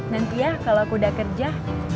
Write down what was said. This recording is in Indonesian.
nanti ya kalau aku udah kerja